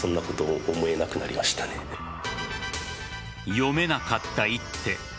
読めなかった一手。